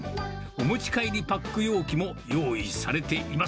お持ち帰りパック容器も用意され